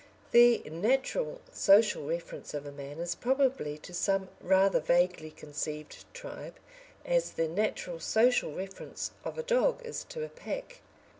The "natural" social reference of a man is probably to some rather vaguely conceived tribe, as the "natural" social reference of a dog is to a pack.